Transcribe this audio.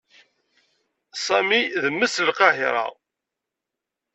Sami d mmi-s n Lqahiṛa.